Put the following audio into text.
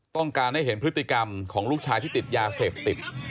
ต้องการให้เห็นพฤติกรรมของลูกชายที่ติดยาเสพติด